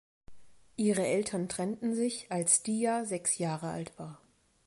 Ihre Eltern trennten sich als Diya sechs Jahre alt war.